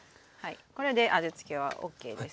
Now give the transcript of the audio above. これで味つけはＯＫです。